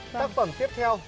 tác phẩm tiếp theo